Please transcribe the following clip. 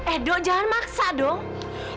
edo jangan maksa dong